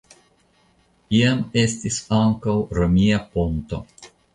Iam estis ankaŭ romia ponto.